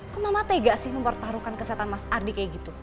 kok mama tega sih mempertaruhkan kesehatan mas ardi kayak gitu